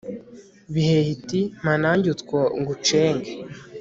bihehe iti «mpa nanjye utwo ngucenge»